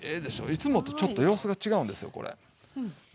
いつもとちょっと様子が違うんですよこれ。